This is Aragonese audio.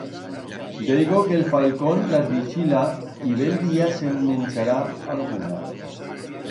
Veigo que el falcón las vichila y bell día se'n menchará alguna.